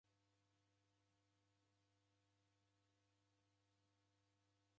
Matuku ghose mwadeda ngelo rose kavui ya mudi ughu.